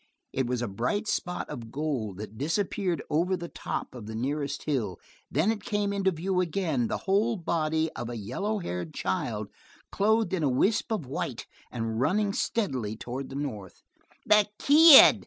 It was a bright spot of gold that disappeared over the top of the nearest hill; then it came into view again, the whole body of a yellow haired child, clothed in a wisp of white, and running steadily toward the north. "The kid!"